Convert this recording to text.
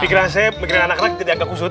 pikiran saya pikiran anak anak jadi agak kusut